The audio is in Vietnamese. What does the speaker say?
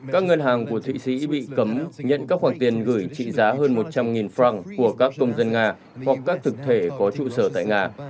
các ngân hàng của thụy sĩ bị cấm nhận các khoản tiền gửi trị giá hơn một trăm linh france của các công dân nga hoặc các thực thể có trụ sở tại nga